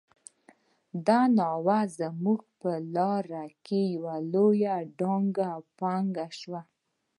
دا ناوه زموږ په لاره کې يوه لويه ډانګه او پټک شو.